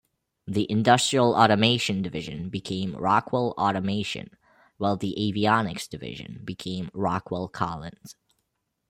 The industrial automation division became Rockwell Automation, while the avionics division became Rockwell Collins.